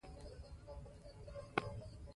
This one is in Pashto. پکتیکا د افغانستان د امنیت په اړه هم اغېز لري.